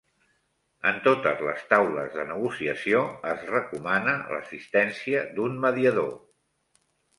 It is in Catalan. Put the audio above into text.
En totes les taules de negociació es recomana l'assistència d'un mediador